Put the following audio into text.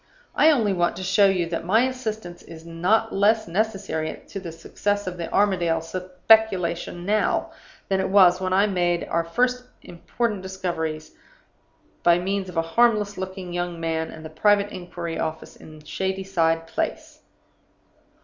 I only want to show you that my assistance is not less necessary to the success of the Armadale speculation now than it was when I made our first important discoveries, by means of the harmless looking young man and the private inquiry office in Shadyside Place.